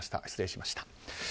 失礼しました。